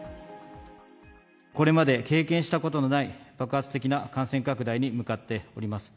これまで経験したことのない爆発的な感染拡大に向かっております。